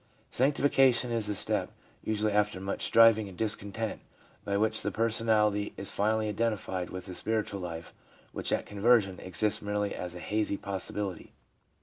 Sanctification is the step) usually after muck striving and discontent, by which the personality is finally identified with the spiritual life which at conversion existed merely as a hazy possibility.